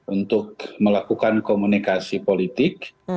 untuk melakukan komunikasi politik